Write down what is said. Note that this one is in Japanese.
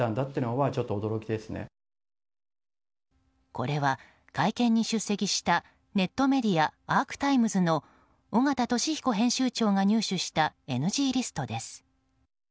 これは会見に出席したネットメディアアークタイムズの尾形聡彦編集長が入手したＮＧリストです。